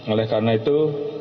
oleh karena itu